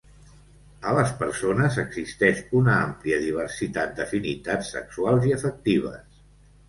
A les persones, existeix una àmplia diversitat d'afinitats sexuals i afectives.